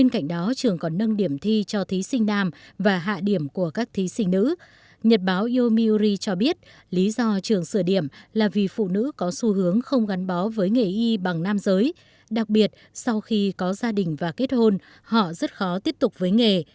chúng tôi biết lý do trường sửa điểm là vì phụ nữ có xu hướng không gắn bó với nghề y bằng nam giới đặc biệt sau khi có gia đình và kết hôn họ rất khó tiếp tục với nghề